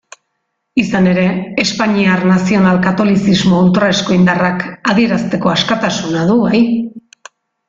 Izan ere, espainiar nazional-katolizismo ultraeskuindarrak adierazteko askatasuna du, bai.